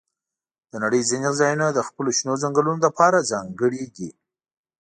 د نړۍ ځینې ځایونه د خپلو شنو ځنګلونو لپاره ځانګړي دي.